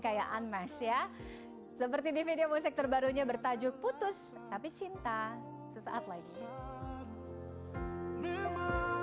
kekayaan mas ya seperti di video musik terbarunya bertajuk putus tapi cinta sesaat lagi